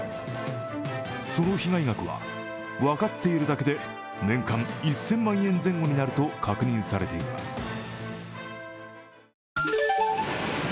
その被害額は分かっているだけで年間１０００万円前後になると確認されています。